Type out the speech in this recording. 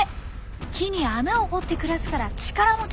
木に穴を掘って暮らすから力持ちなんですよ。